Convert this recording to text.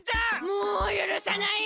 もうゆるさない！